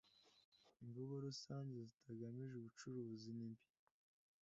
Imvugo rusange zitagamije ubucuruzi nimbi